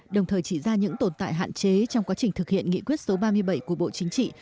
đồng thời chỉ ra những tồn tại hạn chế trong quá trình thực hiện nghị quyết số ba mươi bảy của bộ chính trị